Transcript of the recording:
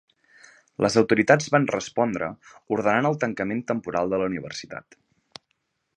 Les autoritats van respondre ordenant el tancament temporal de la universitat.